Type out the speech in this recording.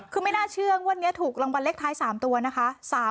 คือไม่น่าเชื่องวดนี้ถูกรางวัลเลขท้าย๓ตัวนะคะ